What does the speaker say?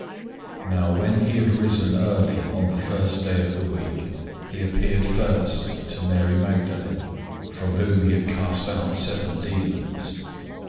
016:009 Now when he had risen early on the first day of the week, he appeared first to Mary Magdalene, from whom he had cast out seven demons.